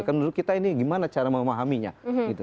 kan menurut kita ini gimana cara memahaminya gitu